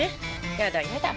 やだやだ。